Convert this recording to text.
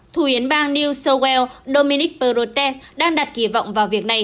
thủ yến bang new south wales dominic perute đang đặt kỳ vọng vào việc này